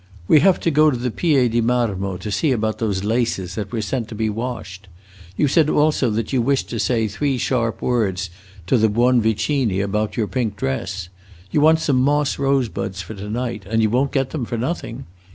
"We have to go to the Pie di Marmo to see about those laces that were sent to be washed. You said also that you wished to say three sharp words to the Buonvicini about your pink dress. You want some moss rosebuds for to night, and you won't get them for nothing!